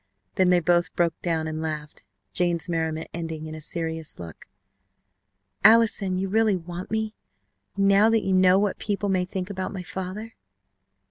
Then they both broke down and laughed, Jane's merriment ending in a serious look. "Allison, you really want me, now you know what people may think about my father?"